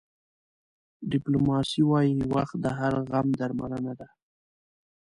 ډیپایلوس وایي وخت د هر غم درملنه ده.